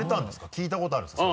聞いたことあるんですか